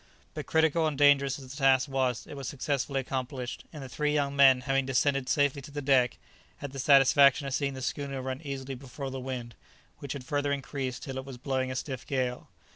But critical and dangerous as the task was, it was successfully accomplished, and the three young men, having descended safely to the deck, had the satisfaction of seeing the schooner run easily before the wind, which had further increased till it was blowing a stiff gale.